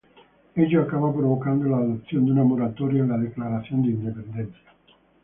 Ello acaba provocando la adopción de una moratoria en la declaración de independencia.